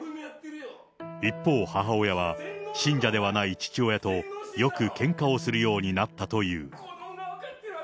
一方、母親は、信者ではない父親とよくけんかをするようになったという。